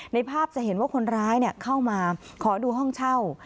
ในภาพจะเห็นว่าคนร้ายเข้ามาขอดูห้องเช่า